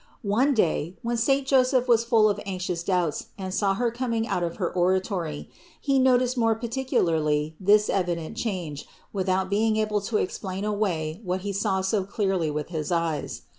One day, when saint Joseph was full of anxious doubts and saw Her coming out of her oratory, he noticed more particularly this evident change, without being able to explain away what he saw so clearly with his eyes.